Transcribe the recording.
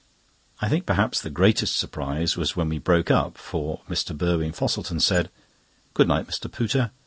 I think perhaps the greatest surprise was when we broke up, for Mr. Burwin Fosselton said: "Good night, Mr. Pooter.